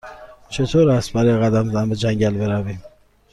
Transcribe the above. چطور است برای قدم زدن به جنگل برویم؟